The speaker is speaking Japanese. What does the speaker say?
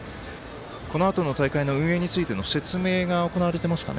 このあとの大会の運営についての説明が行われていますかね。